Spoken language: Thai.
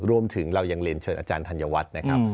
รวมถึงเรายังเรียนเชิญอาจารย์ธัญวัฒน์นะครับ